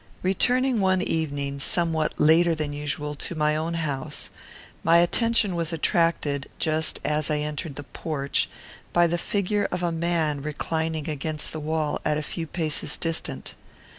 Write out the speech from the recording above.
Returning one evening, somewhat later than usual, to my own house, my attention was attracted, just as I entered the porch, by the figure of a man reclining against the wall at a few paces distant.